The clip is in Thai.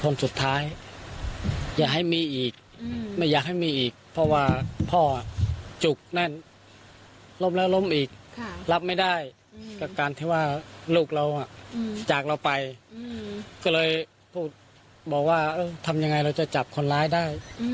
เลยเขาบอกว่าเอ้ทำยังไงเราจะจับคนร้ายได้